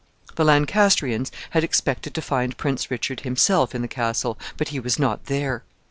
The Lancastrians had expected to find Prince Richard himself in the castle, but he was not there.